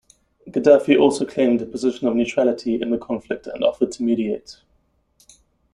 Gaddafi also claimed a position of neutrality in the conflict and offered to mediate.